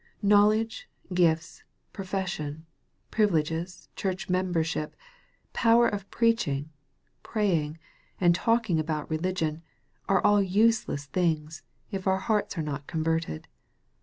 Knowledge, gifts, profession, privileges, church member ship, power of preaching, praying, and talking about religion, are all useless things, if our hearts are not converted.